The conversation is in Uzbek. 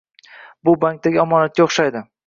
Bu bankdagi omonatga oʻxshaydi.